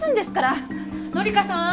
紀香さん！